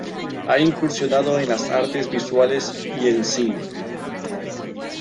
Ha incursionado en las artes visuales y el cine.